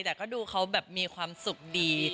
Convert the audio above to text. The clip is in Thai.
แต่ก็ดูเขาแบบมีความสุขดี